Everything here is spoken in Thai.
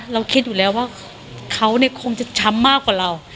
เราคิดอยู่แล้วว่าเขาเนี่ยคงจะช้ำมากกว่าเรา